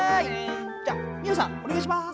じゃあミオさんおねがいします。